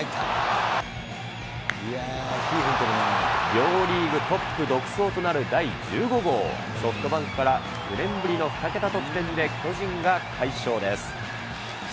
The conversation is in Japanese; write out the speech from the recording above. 両リーグトップ独走となる第１５号、ソフトバンクから９年ぶりの２桁得点で巨人が快勝です。